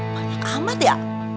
banyak amat ya